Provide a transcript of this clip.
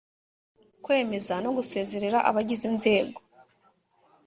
kwemeza no gusezerera abagize inzego